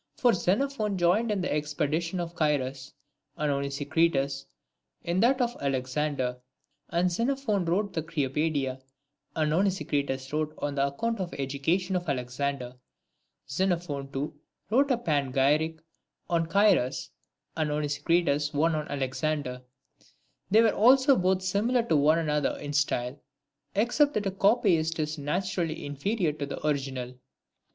For Xenophon joined in the expedition of Cyrus, and Onesi critus in that of Alexander ; and Xenophon wrote the Cyropaedia, and Onesicritus wrote an account of the education of Alexander. Xenophon, too, wrote a Panegyric on Cyrus, and Onesicritus one on Alexander. They were also both similar to one another in style, except that a copyist is naturally inferior to the original. III.